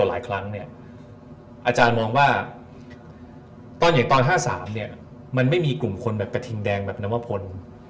อาจารย์มองว่าตอนอย่างตอน๕๓มันไม่มีกลุ่มคนแบบประทิงแดงแบบน้ำวะพล